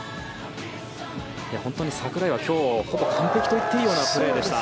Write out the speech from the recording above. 本当に櫻井は今日はほぼ完璧といっていいようなプレーでした。